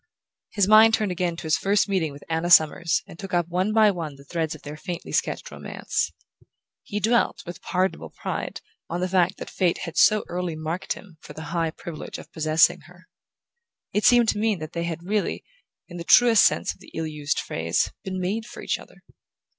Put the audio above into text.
His mind turned again to his first meeting with Anna Summers and took up one by one the threads of their faintly sketched romance. He dwelt with pardonable pride on the fact that fate had so early marked him for the high privilege of possessing her: it seemed to mean that they had really, in the truest sense of the ill used phrase, been made for each other.